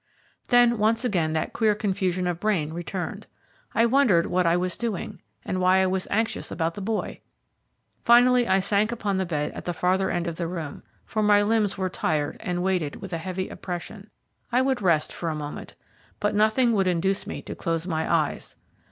Then once again that queer confusion of brain returned. I wondered what I was doing, and why I was anxious about the boy. Finally I sank upon the bed at the farther end of the room, for my limbs were tired and weighted with a heavy oppression. I would rest for a moment, but nothing would induce me to close my eyes.